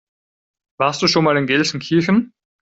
Warst du schon mal in Gelsenkirchen?